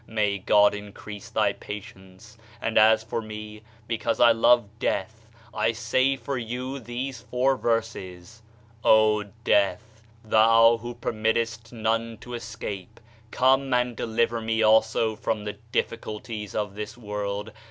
May God increase thy patience ! And as for me, because I love death, I say for you these four verses : "Oh, Death, thou who permittest none to escape, come and deliver me also from the diffi culties of this world